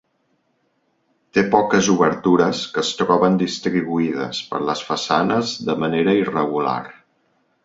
Té poques obertures que es troben distribuïdes per les façanes de manera irregular.